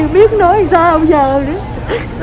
biết nói sao bây giờ nữa